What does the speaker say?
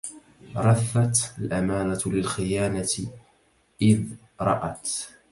رثت الأمانة للخيانة إذ رأت